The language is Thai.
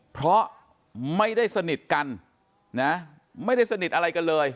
เพราะไม่ได้สนิทกันนะไม่ได้สนิทอะไรกันเลย